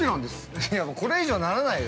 いや、もう、これ以上ならないよ。